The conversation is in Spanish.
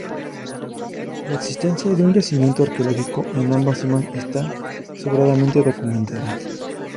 La existencia de un yacimiento arqueológico en ambas cimas está sobradamente documentada.